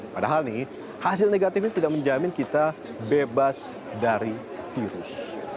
padahal nih hasil negatif ini tidak menjamin kita bebas dari virus